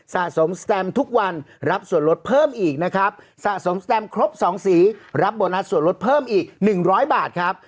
สะสมสแตมทุกวันรับส่วนลดเพิ่มอีกนะครับสะสมสแตมครบ๒สีรับโบนัสส่วนลดเพิ่มอีก๑๐๐บาทครับ